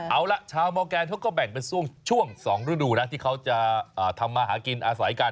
เอาล่ะชาวมอร์แกนเขาก็แบ่งเป็นช่วง๒ฤดูนะที่เขาจะทำมาหากินอาศัยกัน